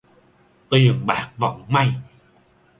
Tiền bạc vận may